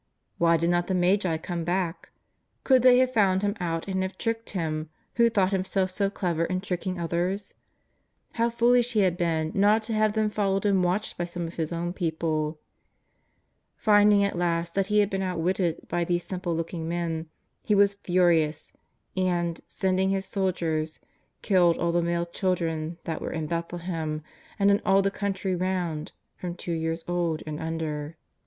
AYhy did not the Magi come back? Could they have found him out and have tricked him who thought him self so clever in tricking others? How foolish he had been not to have them followed and watched by some of his own people. Finding at last that he had been out witted by these simple looking men, he was furious, and, sending his soldiers, killed all the male children thai; were in Bethlehem and in all the country round from two years old and under.